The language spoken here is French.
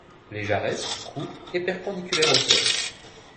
Les jarrets sont courts et perpendiculaires au sol.